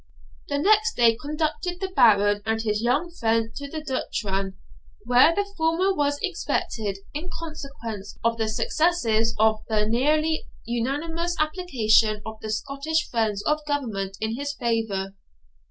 The next day conducted the Baron and his young friend to the Duchran, where the former was expected, in consequence of the success of the nearly unanimous application of the Scottish friends of government in his favour.